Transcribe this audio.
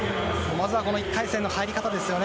まずはこの１回戦の入り方ですよね。